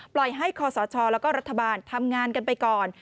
ปล่อยให้คศแล้วก็รัฐบาลทำงานกันไปก่อน